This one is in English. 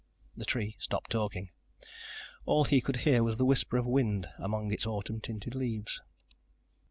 The tree stopped talking. All he could hear was the whisper of wind among its autumn tinted leaves.